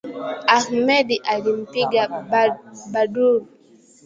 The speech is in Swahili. Ahmed alimpiga Badru